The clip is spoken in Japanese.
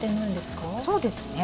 そうですね。